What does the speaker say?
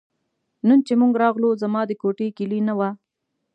نن چې موږ راغلو زما د کوټې کیلي نه وه.